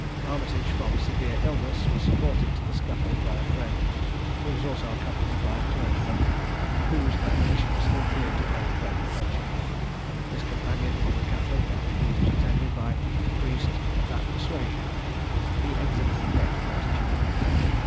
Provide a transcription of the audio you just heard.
Armitage, from severe illness, was supported to the scaffold by a friend; he was also accompanied by a clergyman, to whose admonitions he appeared to pay great attention. His companion was a catholic, and was attended by a priest of that persuasion. He exhibited great fortitude.